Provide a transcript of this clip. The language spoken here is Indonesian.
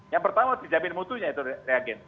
yang pertama harus dijamin mutunya itu reagen